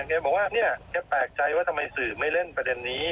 แกบอกว่าเนี่ยแกแปลกใจว่าทำไมสื่อไม่เล่นประเด็นนี้